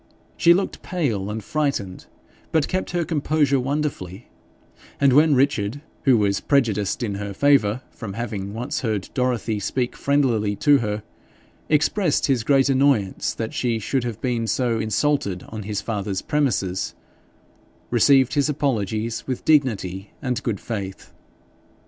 She looked pale and frightened, but kept her composure wonderfully, and when Richard, who was prejudiced in her favour from having once heard Dorothy speak friendlily to her, expressed his great annoyance that she should have been so insulted on his father's premises, received his apologies with dignity and good faith.